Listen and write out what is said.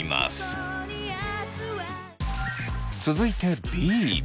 続いてＢ。